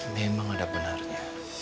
memang ada benarnya